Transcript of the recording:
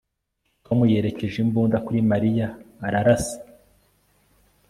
Tom yerekeje imbunda kuri Mariya ararasa